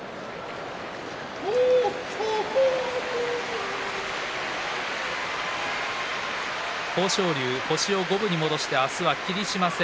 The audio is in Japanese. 拍手豊昇龍、星を五分に戻して明日は霧島戦。